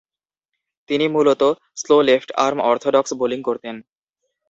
তিনি মূলতঃ slow left arm orthodox bowling করতেন।